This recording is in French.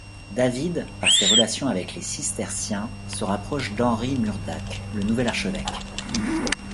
David, par ses relations avec les cisterciens, se rapproche d'Henri Murdac, le nouvel archevêque.